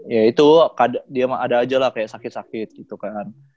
ya itu dia mah ada aja lah kayak sakit sakit gitu kan